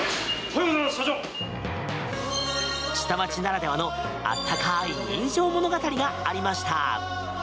下町ならではの温かい人情物語がありました。